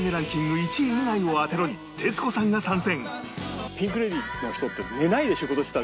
１位以外を当てろ！」に徹子さんが参戦！